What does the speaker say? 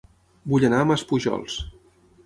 Vull anar a Maspujols